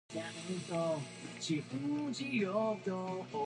"I mean, not at a tea table," he said.